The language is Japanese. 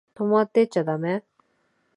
泊まってっちゃだめ？